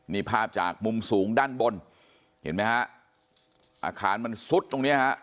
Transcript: นี่ภาพจากมุมสูงด้านบนเห็นไหมฮะอาคารมันซุดตรงเนี้ยฮะ